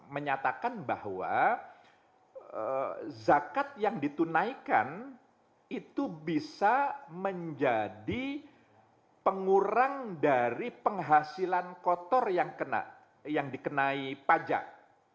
menyatakan bahwa zakat yang ditunaikan itu bisa menjadi pengurang dari penghasilan kotor yang dikenai pajak